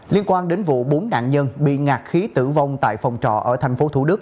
liên quan đến vụ bốn nạn nhân bị ngạc khí tử vong tại phòng trọ ở tp thủ đức